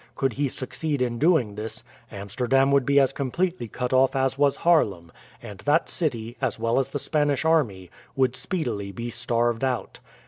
Could he succeed in doing this, Amsterdam would be as completely cut off as was Haarlem, and that city, as well as the Spanish army, would speedily be starved out.